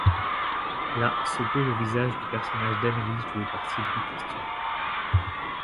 La s'oppose au visage du personnage d'Amélie joué par Sylvie Testud.